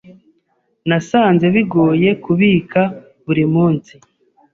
Nasanze bigoye kubika buri munsi.